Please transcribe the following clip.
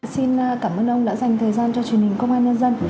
xin cảm ơn ông đã dành thời gian cho truyền hình công an nhân dân